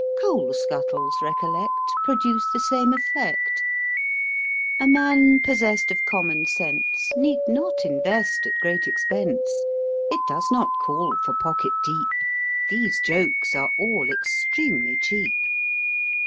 Coal scuttles, recollect. Produce the same effect. A man possessed Of common sense Need not invest At great expense â The Practical Joker 27 It does not call For pocket deep. These jokes are all Extremely cheap.